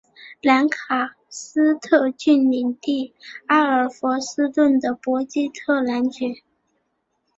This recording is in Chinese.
兰卡斯特郡领地阿尔弗斯顿的伯基特男爵。